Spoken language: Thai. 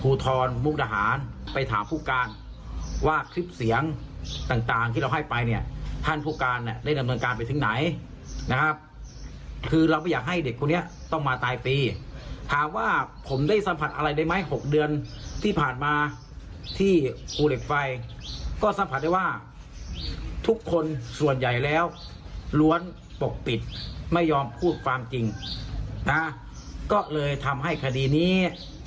มุกดาหารไปถามผู้การว่าคลิปเสียงต่างที่เราให้ไปเนี่ยท่านผู้การเนี่ยได้ดำเนินการไปถึงไหนนะครับคือเราไม่อยากให้เด็กคนนี้ต้องมาตายฟรีถามว่าผมได้สัมผัสอะไรได้ไหม๖เดือนที่ผ่านมาที่ภูเหล็กไฟก็สัมผัสได้ว่าทุกคนส่วนใหญ่แล้วล้วนปกปิดไม่ยอมพูดความจริงนะก็เลยทำให้คดีนี้